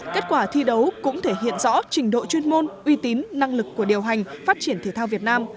kết quả thi đấu cũng thể hiện rõ trình độ chuyên môn uy tín năng lực của điều hành phát triển thể thao việt nam